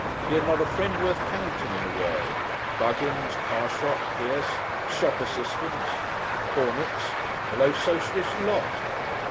He had not a friend worth counting in the world! Buggins, Carshot, Pierce; shop assistants! The Pornicks a low socialist lot!